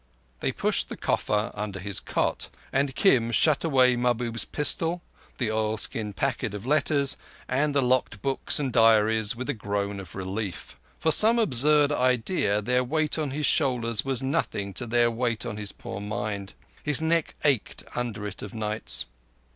They pushed the coffer under his cot, and Kim shut away Mahbub's pistol, the oilskin packet of letters, and the locked books and diaries, with a groan of relief. For some absurd reason their weight on his shoulders was nothing to their weight on his poor mind. His neck ached under it of nights.